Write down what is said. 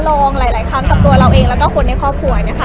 ลองหลายครั้งกับตัวเราเองแล้วก็คนในครอบครัวเนี่ยค่ะ